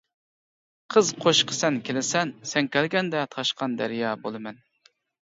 قىز قوشىقى سەن كېلىسەن. سەن كەلگەندە تاشقان دەريا بولىمەن.